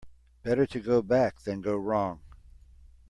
Better to go back than go wrong.